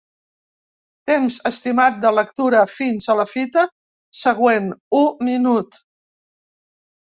Temps estimat de lectura fins a la fita següent: u minut.